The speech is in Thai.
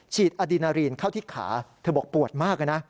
อดีนารีนเข้าที่ขาเธอบอกปวดมากนะ